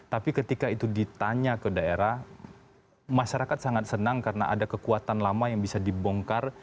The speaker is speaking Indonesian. tapi ketika itu ditanya ke daerah masyarakat sangat senang karena ada kekuatan lama yang bisa dibongkar